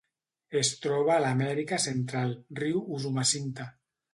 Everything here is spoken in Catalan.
Es troba a l'Amèrica Central: riu Usumacinta.